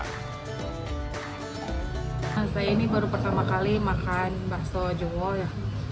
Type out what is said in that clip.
saya ini baru pertama kali makan bakso jewol ya